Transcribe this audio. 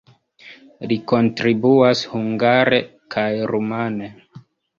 Li kontribuas hungare kaj rumane.